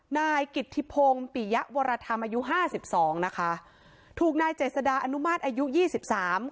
นายกิจธิพงศ์ปิยะวรธรรมอายุห้าสิบสองนะคะถูกนายเจษดาอนุมาตรอายุยี่สิบสาม